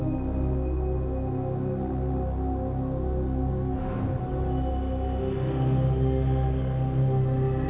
kita kan belum menikah